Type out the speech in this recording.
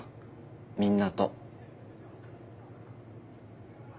みんなと。